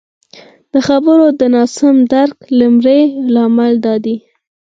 د خبرو د ناسم درک لمړی لامل دادی